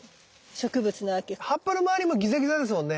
葉っぱの周りもギザギザですもんね。